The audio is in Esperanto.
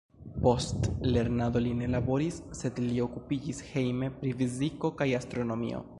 Post lernado li ne laboris, sed li okupiĝis hejme pri fiziko kaj astronomio.